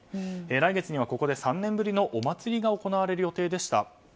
来月にはここで３年ぶりのお祭りが行われる予定でした。